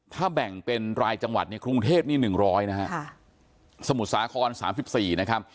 ถ้าแบ่งเป็นรายจังหวัดในครุงเทศนี่หนึ่งร้อยนะฮะสมุทรสาครสามสิบสี่นะครับ